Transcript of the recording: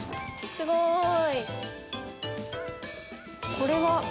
すごい！